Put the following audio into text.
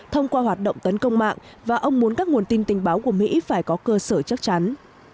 thông qua hoạt động tấn công mạng và ông muốn các nguồn tin tình báo của mỹ phải có cơ sở chắc chắn